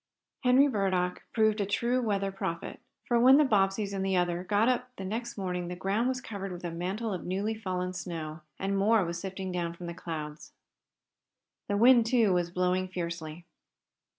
Henry Burdock proved a true weather prophet, for when the Bobbseys and the other got up the next morning the ground was covered with a mantle of newly fallen snow, and more was sifting down from the clouds. The wind, too, was blowing fiercely.